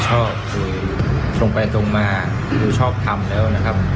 ชอบคือตรงไปตรงมาคือชอบทำแล้วนะครับ